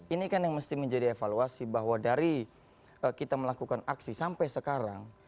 ini kan yang mesti menjadi evaluasi bahwa dari kita melakukan aksi sampai sekarang